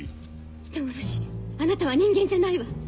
人殺しあなたは人間じゃないわ。